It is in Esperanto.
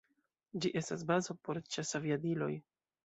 Ĝi estas bazo por ĉasaviadiloj.